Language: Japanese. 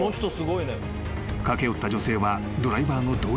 ［駆け寄った女性はドライバーの同僚］